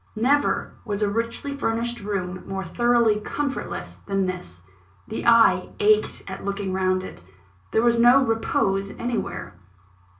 Never was a richly furnished room more thoroughly comfortless than this the eye ached at looking round it. There was no repose anywhere.